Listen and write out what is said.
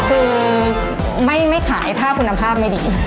คือไม่ขายถ้าคุณภาพไม่ดี